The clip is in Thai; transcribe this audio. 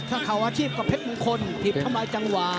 สาขาวอาชีพกับเพชรมงคลผิดทำไมจังหว่า